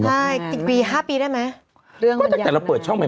ใช่ห้าปีได้มั้ยเรื่องมันยากนั้นครับก็ตั้งแต่เราเปิดช่องใหม่